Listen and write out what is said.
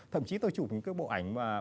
thậm chí tôi chụp những bộ ảnh